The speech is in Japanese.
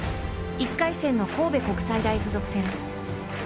１回戦の神戸国際大付属戦。